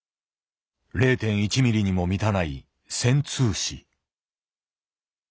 ０．１ミリにも満たない穿通枝。